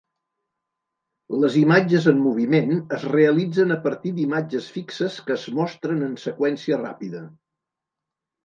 Les imatges en moviment es realitzen a partir d'imatges fixes que es mostren en seqüència ràpida.